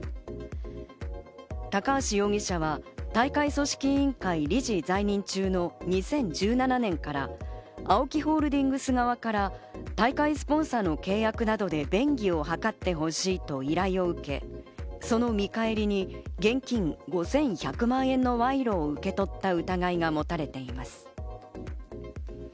高橋容疑者は大会組織委員会で理事在任中の２０１７年から、ＡＯＫＩホールディングス側から大会スポンサーの契約などで便宜を図ってほしいと依頼を受け、その見返りに現金５１００万円の賄賂を受け取った疑いが持たれています。